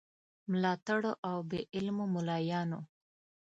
ملاتړو او بې علمو مُلایانو.